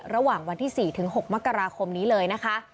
ระหว่างวันที่๔๖มกราคมนี้เลยนะคะ